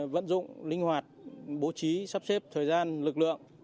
vận dụng linh hoạt bố trí sắp xếp thời gian lực lượng